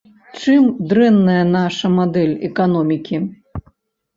Чым дрэнная наша мадэль эканомікі?